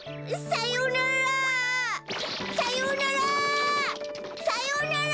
さようなら！